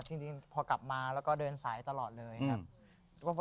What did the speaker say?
จริงพอกลับมาแล้วก็เดินสายตลอดเลยครับ